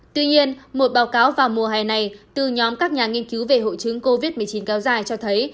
tuy nhiên một báo cáo vào mùa hè này từ nhóm các nhà nghiên cứu về hội chứng covid một mươi chín kéo dài cho thấy